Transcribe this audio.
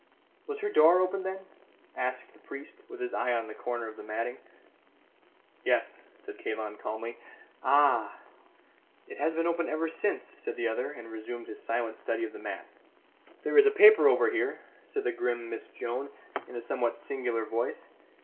"Was her door open then?" asked the priest, with his eye on the corner of the matting. "Yes," said Kalon calmly. "Ah! it has been open ever since," said the other, and resumed his silent study of the mat. "There is a paper over here," said the grim Miss Joan, in a somewhat singular voice.